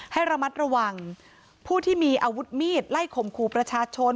ให้ระมัดระวังผู้ที่มีอาวุธมีดไล่ข่มขู่ประชาชน